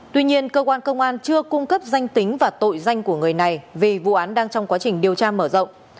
tuy nhiên cơ quan công an chưa cung cấp danh tính và tội danh của người này vì vụ án đang trong quá trình điều tra mở rộng